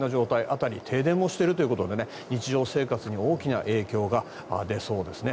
辺り、停電もしているということで日常生活に大きな影響がありそうですね。